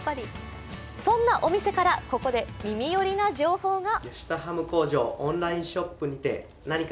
そんなお店から、ここで耳寄りな情報が。